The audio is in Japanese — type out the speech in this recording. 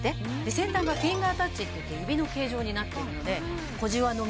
先端がフィンガータッチっていって指の形状になっているので。